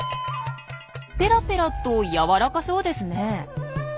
ペラペラと柔らかそうですね。